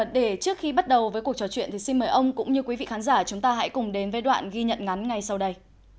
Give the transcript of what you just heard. để trước khi bắt đầu với cuộc trò chuyện thì xin mời ông cũng như quý vị khán giả chúng ta hãy cùng đến với đoạn ghi nhận ngắn ngay sau đây